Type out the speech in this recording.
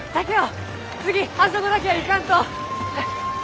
次あそこだけは行かんと！